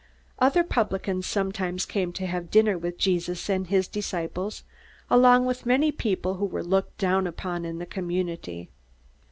Other publicans sometimes came to have dinner with Jesus and his disciples, along with many people who were looked down upon in the community.